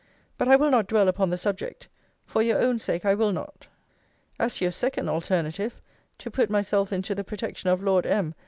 but I will not dwell upon the subject for your own sake I will not. As to your second alternative, to put myself into the protection of Lord M.